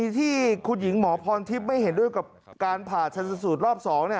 ที่คุณหญิงหมอพรทิพย์ไม่เห็นด้วยกับการผ่าชนสูตรรอบ๒